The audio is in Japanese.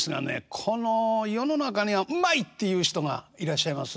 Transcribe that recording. この世の中には「うまい！」っていう人がいらっしゃいますね。